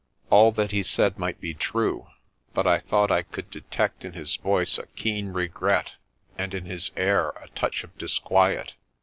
All that he said might be true, but I thought I could detect in his voice a keen regret and in his air a touch of disquiet.